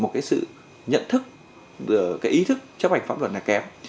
một cái sự nhận thức cái ý thức chấp hành pháp luật là kém